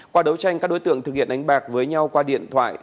qua đấu tranh các đối tượng thực hiện đánh bạc với nhau qua điện thoại